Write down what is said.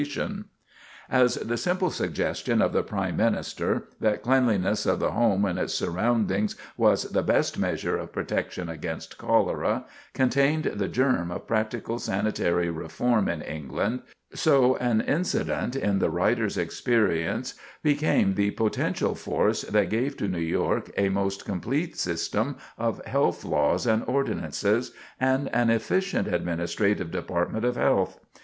[Sidenote: An Incident That Counted] As the simple suggestion of the Prime Minister, that cleanliness of the home and its surroundings was the best measure of protection against cholera, contained the germ of practical sanitary reform in England, so an incident in the writer's experience became the potential force that gave to New York a most complete system of health laws and ordinances, and an efficient administrative department of health.